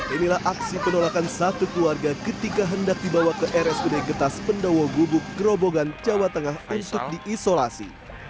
inilah aksi penolakan satu keluarga ketika hendak dibawa ke rsud getas pendowo gubuk gerobogan jawa tengah untuk diisolasi